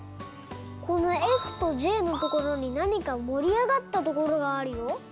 このｆとｊのところになにかもりあがったところがあるよ。